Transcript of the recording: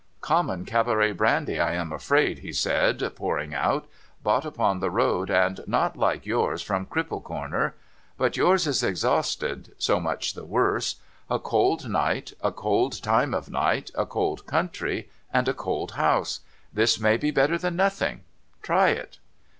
' Common cabaret brandy, I am afraid,' he said, pouring out ;' bought upon the road, and not like yours from Cripple Corner. But yours is exhausted ; so much the worse. A cold night, a cold time of night, a cold country, and a cold house. This may be better than nothing ; try it.'